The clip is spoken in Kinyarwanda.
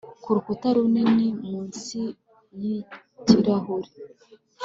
Ku rukuta ruri munsi yikirahure